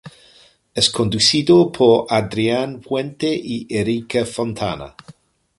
Es conducido por Adrián Puente y Erica Fontana.